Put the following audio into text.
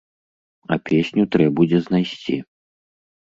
А песню трэ будзе знайсці.